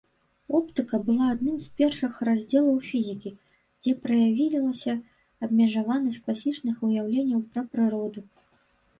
Оптыка была адным з першых раздзелаў фізікі, дзе праявілася абмежаванасць класічных уяўленняў пра прыроду.